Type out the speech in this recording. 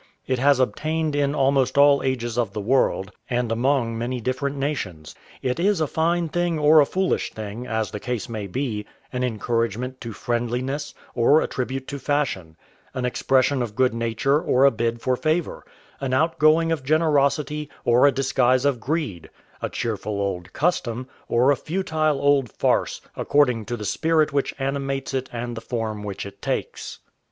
It has obtained in almost all ages of the world, and among many different nations. It is a fine thing or a foolish thing, as the case may be; an encouragement to friendliness, or a tribute to fashion; an expression of good nature, or a bid for favour; an outgoing of generosity, or a disguise of greed; a cheerful old custom, or a futile old farce, according to the spirit which animates it and the form which it takes.